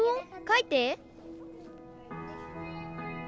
かいて。